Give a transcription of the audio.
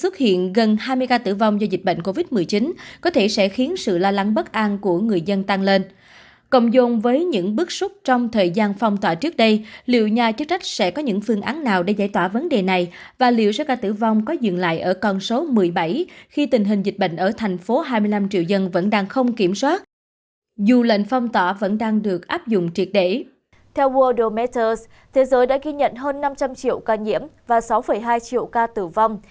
theo worldometers thế giới đã ghi nhận hơn năm trăm linh triệu ca nhiễm và sáu hai triệu ca tử vong